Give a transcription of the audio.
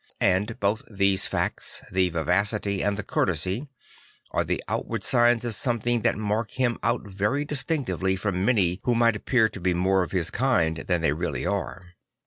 And both these facts, the vivacity and the courtesy, are the outward signs of something that mark him out very dis tinctively from many who might appear to be more of his kind than they really are.